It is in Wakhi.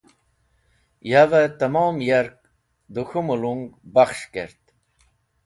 Yavẽ tẽmom yark dẽ k̃hũ mẽlung bakhs̃h kert.